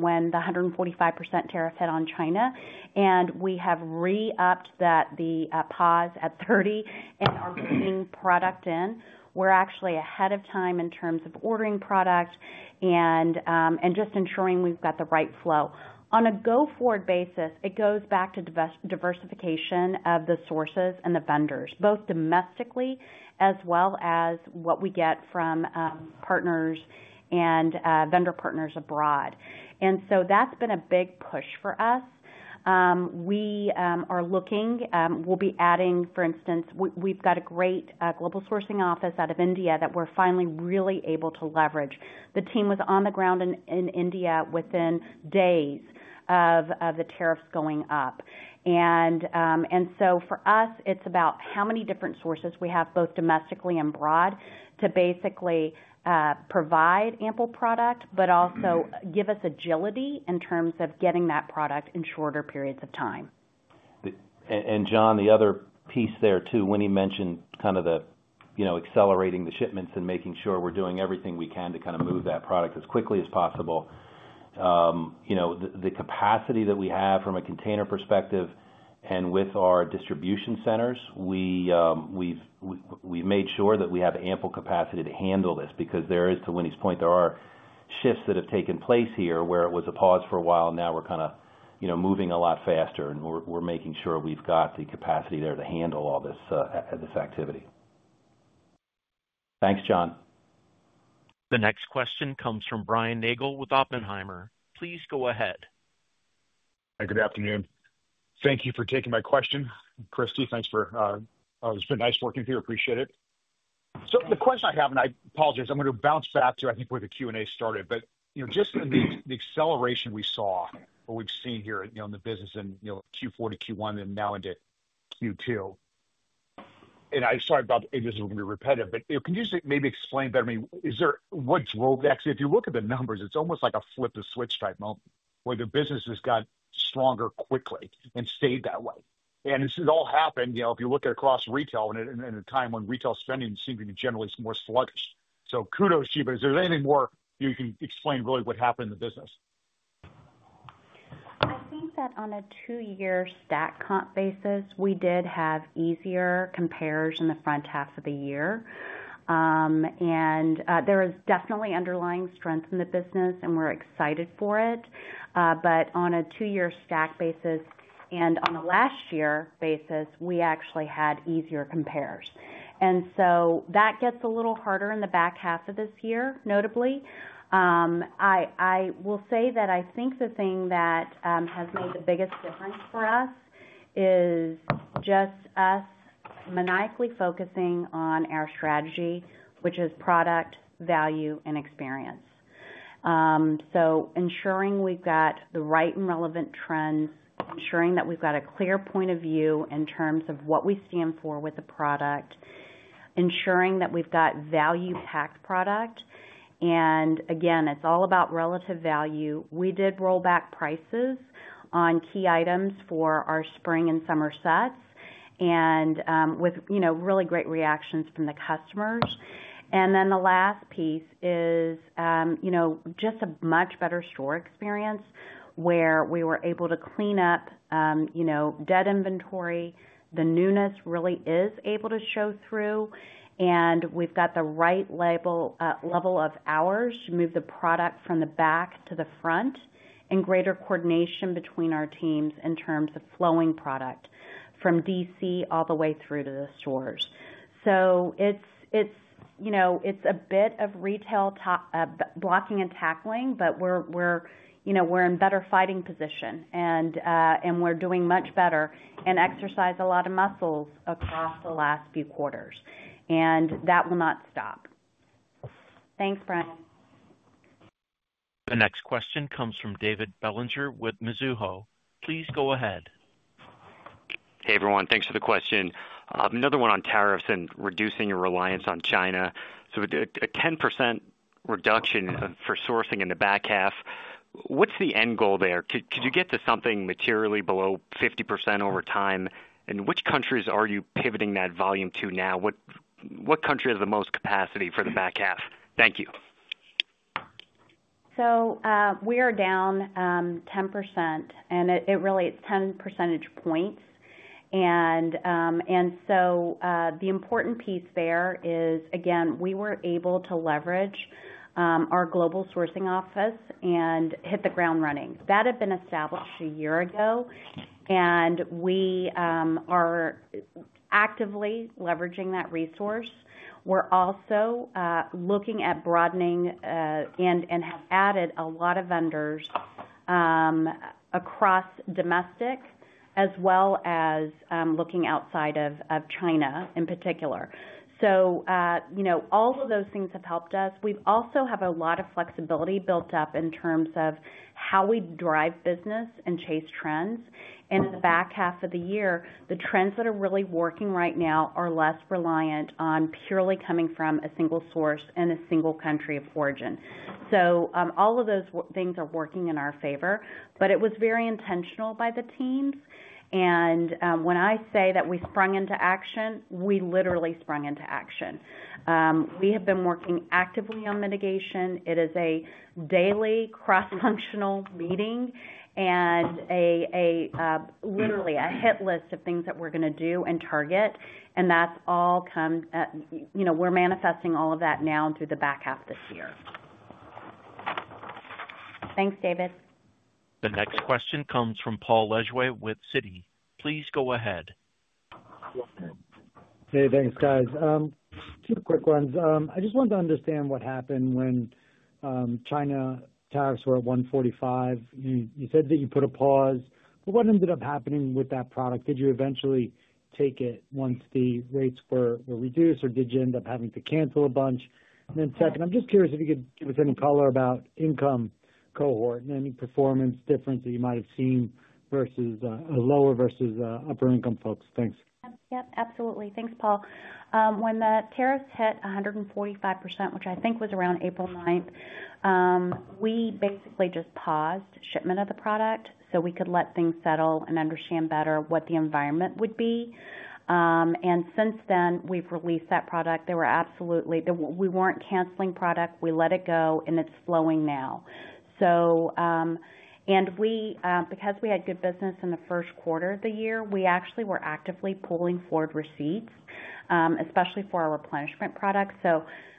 when the 145% tariff hit on China, and we have re-upped that pause at 30 and are bringing product in. We're actually ahead of time in terms of ordering product and just ensuring we've got the right flow. On a go-forward basis, it goes back to diversification of the sources and the vendors, both domestically as well as what we get from partners and vendor partners abroad. That has been a big push for us. We are looking, we will be adding, for instance, we have got a great global sourcing office out of India that we are finally really able to leverage. The team was on the ground in India within days of the tariffs going up. For us, it is about how many different sources we have, both domestically and abroad, to basically provide ample product, but also give us agility in terms of getting that product in shorter periods of time. John, the other piece there too, Winnie mentioned kind of accelerating the shipments and making sure we're doing everything we can to kind of move that product as quickly as possible. The capacity that we have from a container perspective and with our distribution centers, we've made sure that we have ample capacity to handle this because there is, to Winnie's point, there are shifts that have taken place here where it was a pause for a while. Now we're kind of moving a lot faster, and we're making sure we've got the capacity there to handle all this activity. Thanks, John. The next question comes from Brian Nagel with Oppenheimer. Please go ahead. Hi, good afternoon. Thank you for taking my question, Kristy. Thanks for, it's been nice working with you. Appreciate it. The question I have, and I apologize, I'm going to bounce back to, I think, where the Q&A started, just the acceleration we saw or we've seen here in the business in Q4 to Q1 and now into Q2. I'm sorry about it being repetitive, but can you just maybe explain better to me what drove that? Because if you look at the numbers, it's almost like a flip the switch type moment where the business has got stronger quickly and stayed that way. This has all happened if you look at across retail in a time when retail spending seemed to be generally more sluggish. Kudos to you, but is there anything more you can explain really what happened in the business? I think that on a two-year stack comp basis, we did have easier compares in the front half of the year. There is definitely underlying strength in the business, and we're excited for it. On a two-year stack basis and on a last-year basis, we actually had easier compares. That gets a little harder in the back half of this year, notably. I will say that I think the thing that has made the biggest difference for us is just us maniacally focusing on our strategy, which is product, value, and experience. Ensuring we've got the right and relevant trends, ensuring that we've got a clear point of view in terms of what we stand for with the product, ensuring that we've got value-packed product. Again, it's all about relative value. We did roll back prices on key items for our spring and summer sets with really great reactions from the customers. The last piece is just a much better store experience where we were able to clean up dead inventory. The newness really is able to show through. We have got the right level of hours to move the product from the back to the front and greater coordination between our teams in terms of flowing product from DC all the way through to the stores. It is a bit of retail blocking and tackling, but we are in better fighting position, and we are doing much better and exercise a lot of muscles across the last few quarters. That will not stop. Thanks, Brian. The next question comes from David Bellinger with Mizuho. Please go ahead. Hey, everyone. Thanks for the question. Another one on tariffs and reducing your reliance on China. So a 10% reduction for sourcing in the back half. What's the end goal there? Could you get to something materially below 50% over time? And which countries are you pivoting that volume to now? What country has the most capacity for the back half? Thank you. We are down 10%, and it really is 10 percentage points. The important piece there is, again, we were able to leverage our global sourcing office and hit the ground running. That had been established a year ago, and we are actively leveraging that resource. We are also looking at broadening and have added a lot of vendors across domestic as well as looking outside of China in particular. All of those things have helped us. We also have a lot of flexibility built up in terms of how we drive business and chase trends. In the back half of the year, the trends that are really working right now are less reliant on purely coming from a single source and a single country of origin. All of those things are working in our favor. It was very intentional by the teams. When I say that we sprung into action, we literally sprung into action. We have been working actively on mitigation. It is a daily cross-functional meeting and literally a hit list of things that we are going to do and target. That is all come, we are manifesting all of that now through the back half this year. Thanks, David. The next question comes from Paul Lejuez with Citi. Please go ahead. Hey, thanks, guys. Two quick ones. I just wanted to understand what happened when China tariffs were at 145%. You said that you put a pause. What ended up happening with that product? Did you eventually take it once the rates were reduced, or did you end up having to cancel a bunch? I am just curious if you could give us any color about income cohort and any performance difference that you might have seen versus lower versus upper-income folks. Thanks. Yep, absolutely. Thanks, Paul. When the tariffs hit 145%, which I think was around April 9, we basically just paused shipment of the product so we could let things settle and understand better what the environment would be. Since then, we have released that product. We were not canceling product. We let it go, and it is flowing now. Because we had good business in the first quarter of the year, we actually were actively pulling forward receipts, especially for our replenishment product.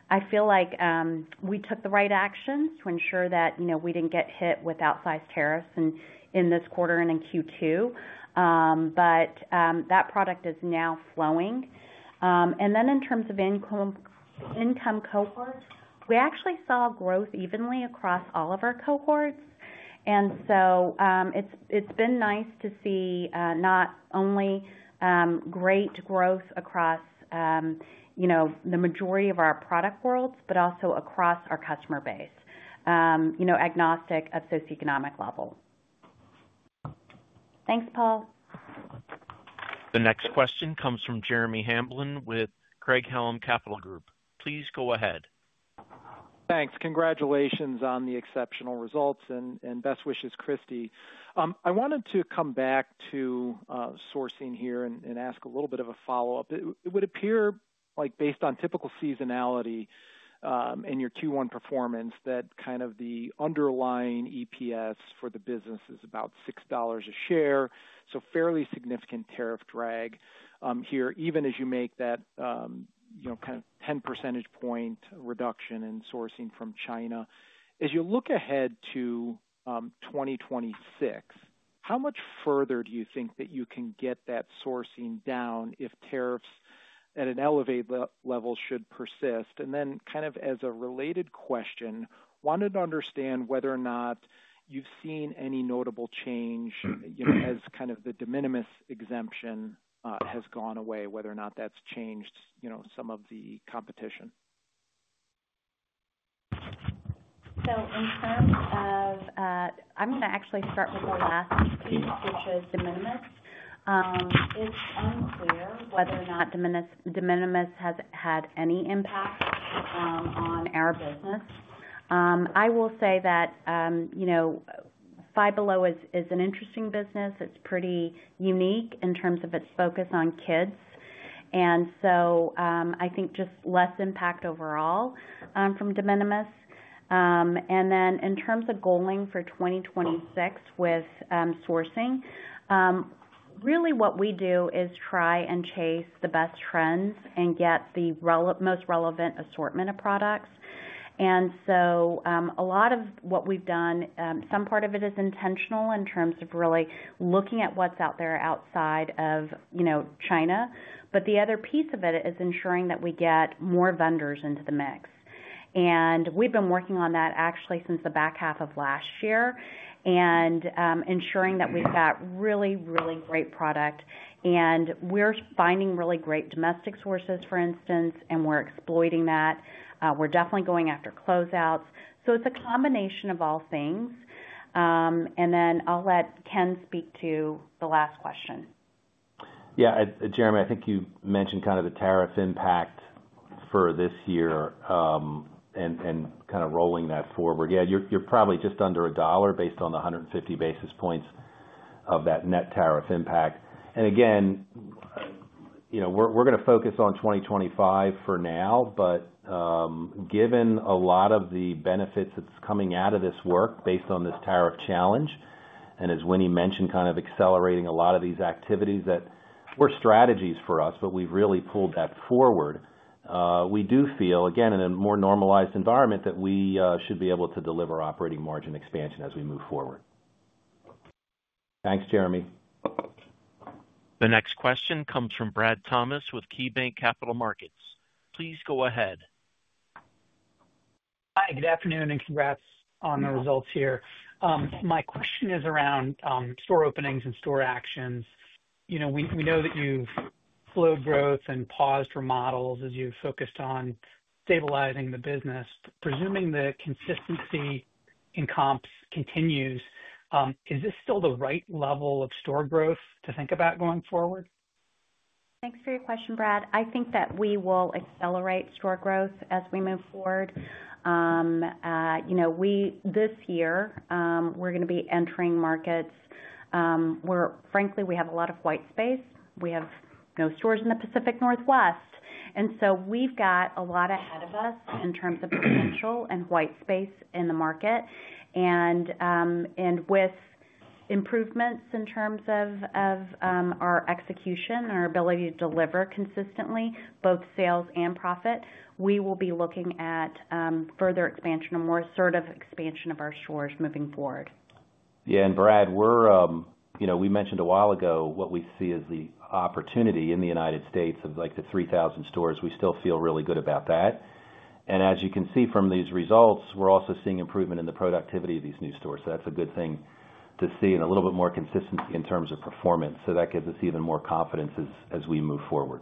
I feel like we took the right actions to ensure that we did not get hit with outsized tariffs in this quarter and in Q2. That product is now flowing. In terms of income cohort, we actually saw growth evenly across all of our cohorts. It has been nice to see not only great growth across the majority of our product worlds, but also across our customer base, agnostic of socioeconomic level. Thanks, Paul. The next question comes from Jeremy Hamblin with Craig-Hallum Capital Group. Please go ahead. Thanks. Congratulations on the exceptional results and best wishes, Kristy. I wanted to come back to sourcing here and ask a little bit of a follow-up. It would appear like based on typical seasonality in your Q1 performance that kind of the underlying EPS for the business is about $6 a share. So fairly significant tariff drag here, even as you make that kind of 10 percentage point reduction in sourcing from China. As you look ahead to 2026, how much further do you think that you can get that sourcing down if tariffs at an elevated level should persist? As a related question, wanted to understand whether or not you've seen any notable change as kind of the de minimis exemption has gone away, whether or not that's changed some of the competition. In terms of, I'm going to actually start with the last piece, which is de minimis. It's unclear whether or not de minimis has had any impact on our business. I will say that Five Below is an interesting business. It's pretty unique in terms of its focus on kids. I think just less impact overall from de minimis. In terms of goaling for 2026 with sourcing, really what we do is try and chase the best trends and get the most relevant assortment of products. A lot of what we've done, some part of it is intentional in terms of really looking at what's out there outside of China. The other piece of it is ensuring that we get more vendors into the mix. We have been working on that actually since the back half of last year and ensuring that we have really, really great product. We are finding really great domestic sources, for instance, and we are exploiting that. We are definitely going after closeouts. It is a combination of all things. I will let Ken speak to the last question. Yeah, Jeremy, I think you mentioned kind of the tariff impact for this year and kind of rolling that forward. Yeah, you're probably just under a dollar based on the 150 basis points of that net tariff impact. Again, we're going to focus on 2025 for now, but given a lot of the benefits that's coming out of this work based on this tariff challenge and as Winnie mentioned, kind of accelerating a lot of these activities that were strategies for us, but we've really pulled that forward, we do feel, again, in a more normalized environment that we should be able to deliver operating margin expansion as we move forward. Thanks, Jeremy. The next question comes from Brad Thomas with KeyBanc Capital Markets. Please go ahead. Hi, good afternoon, and congrats on the results here. My question is around store openings and store actions. We know that you've slowed growth and paused remodels as you've focused on stabilizing the business. Presuming the consistency in comps continues, is this still the right level of store growth to think about going forward? Thanks for your question, Brad. I think that we will accelerate store growth as we move forward. This year, we're going to be entering markets where, frankly, we have a lot of white space. We have no stores in the Pacific Northwest. We have a lot ahead of us in terms of potential and white space in the market. With improvements in terms of our execution and our ability to deliver consistently, both sales and profit, we will be looking at further expansion and more assertive expansion of our stores moving forward. Yeah, Brad, we mentioned a while ago what we see as the opportunity in the United States of like the 3,000 stores. We still feel really good about that. As you can see from these results, we're also seeing improvement in the productivity of these new stores. That is a good thing to see and a little bit more consistency in terms of performance. That gives us even more confidence as we move forward.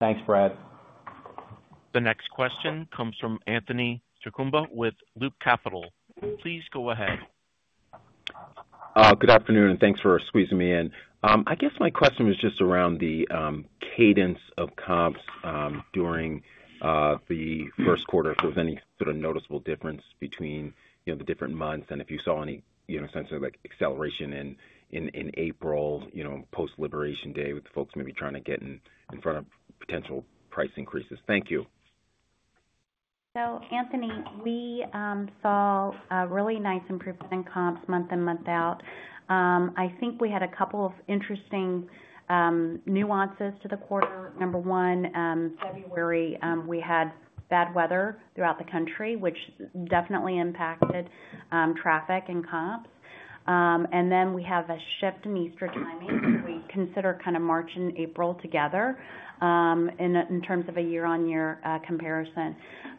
Thanks, Brad. The next question comes from Anthony Chukumba with Loop Capital. Please go ahead. Good afternoon, and thanks for squeezing me in. I guess my question was just around the cadence of comps during the first quarter, if there was any sort of noticeable difference between the different months and if you saw any sense of acceleration in April, post-Liberation Day, with folks maybe trying to get in front of potential price increases. Thank you. Anthony, we saw really nice improvements in comps month in, month out. I think we had a couple of interesting nuances to the quarter. Number one, February, we had bad weather throughout the country, which definitely impacted traffic and comps. Then we have a shift in Easter timing, so we consider kind of March and April together in terms of a year-on-year comparison.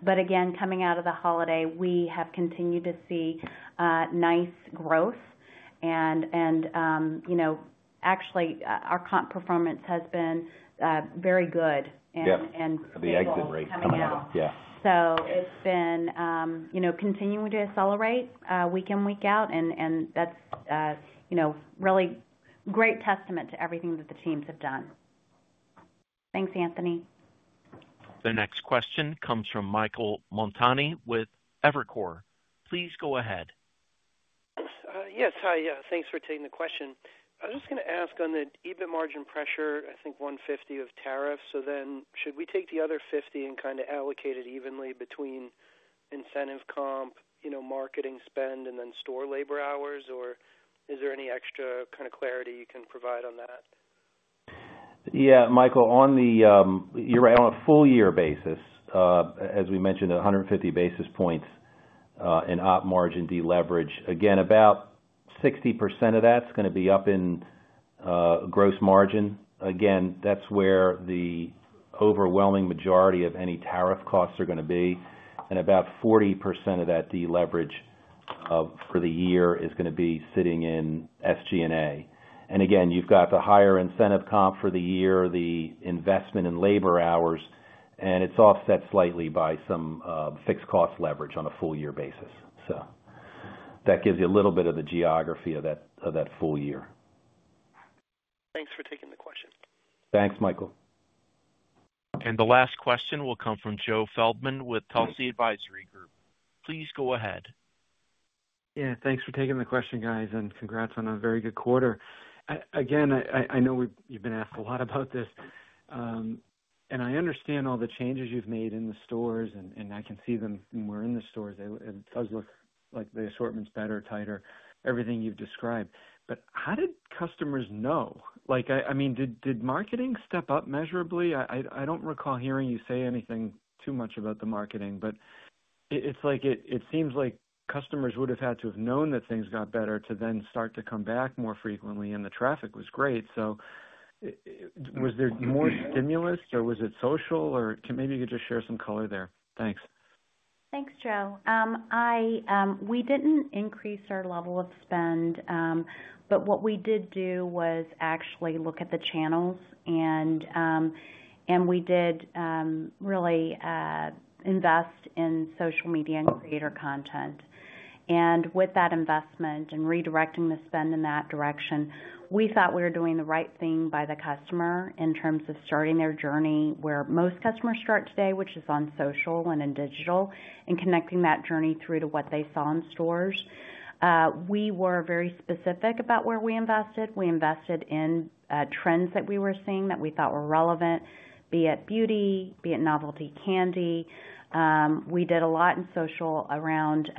Again, coming out of the holiday, we have continued to see nice growth. Actually, our comp performance has been very good. Yeah, the exit rate coming out. Yeah. It's been continuing to accelerate week in, week out, and that's really a great testament to everything that the teams have done. Thanks, Anthony. The next question comes from Michael Montani with Evercore. Please go ahead. Yes, hi. Thanks for taking the question. I was just going to ask on the even margin pressure, I think $150 of tariffs. Should we take the other $50 and kind of allocate it evenly between incentive comp, marketing spend, and then store labor hours? Is there any extra kind of clarity you can provide on that? Yeah, Michael, on the you're right. On a full-year basis, as we mentioned, 150 basis points in op margin deleverage. Again, about 60% of that's going to be up in gross margin. Again, that's where the overwhelming majority of any tariff costs are going to be. And about 40% of that deleverage for the year is going to be sitting in SG&A. Again, you've got the higher incentive comp for the year, the investment in labor hours, and it's offset slightly by some fixed cost leverage on a full-year basis. That gives you a little bit of the geography of that full year. Thanks for taking the question. Thanks, Michael. The last question will come from Joe Feldman with Telsey Advisory Group. Please go ahead. Yeah, thanks for taking the question, guys, and congrats on a very good quarter. Again, I know you've been asked a lot about this. I understand all the changes you've made in the stores, and I can see them when we're in the stores. It does look like the assortment's better, tighter, everything you've described. How did customers know? I mean, did marketing step up measurably? I don't recall hearing you say anything too much about the marketing, but it seems like customers would have had to have known that things got better to then start to come back more frequently, and the traffic was great. Was there more stimulus, or was it social? Maybe you could just share some color there. Thanks. Thanks, Joe. We did not increase our level of spend, but what we did do was actually look at the channels, and we did really invest in social media and creator content. With that investment and redirecting the spend in that direction, we thought we were doing the right thing by the customer in terms of starting their journey where most customers start today, which is on social and in digital, and connecting that journey through to what they saw in stores. We were very specific about where we invested. We invested in trends that we were seeing that we thought were relevant, be it beauty, be it novelty candy. We did a lot in social around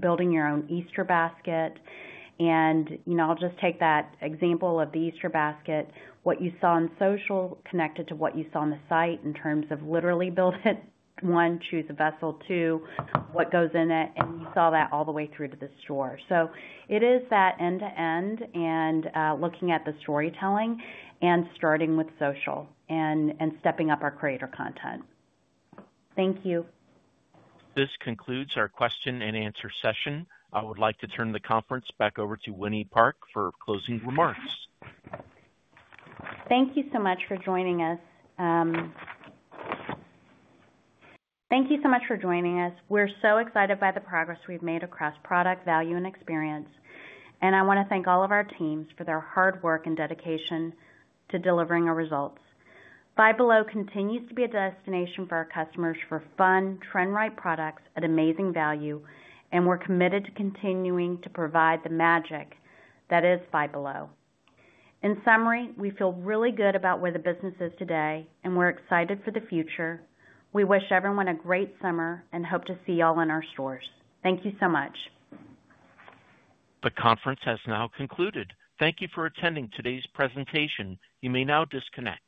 building your own Easter basket. I will just take that example of the Easter basket. What you saw in social connected to what you saw on the site in terms of literally build it, one, choose a vessel, two, what goes in it, and you saw that all the way through to the store. It is that end-to-end and looking at the storytelling and starting with social and stepping up our creator content. Thank you. This concludes our question-and-answer session. I would like to turn the conference back over to Winnie Park for closing remarks. Thank you so much for joining us. We're so excited by the progress we've made across product, value, and experience. I want to thank all of our teams for their hard work and dedication to delivering our results. Five Below continues to be a destination for our customers for fun, trend-right products at amazing value, and we're committed to continuing to provide the magic that is Five Below. In summary, we feel really good about where the business is today, and we're excited for the future. We wish everyone a great summer and hope to see you all in our stores. Thank you so much. The conference has now concluded. Thank you for attending today's presentation. You may now disconnect.